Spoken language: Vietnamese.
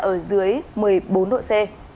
ở dưới một mươi bốn độ c